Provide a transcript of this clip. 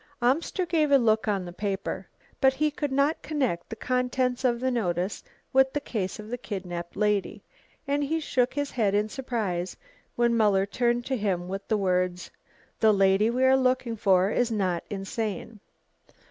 Amster gave a look on the paper. But he could not connect the contents of the notice with the case of the kidnapped lady, and he shook his head in surprise when Muller turned to him with the words: "The lady we are looking for is not insane."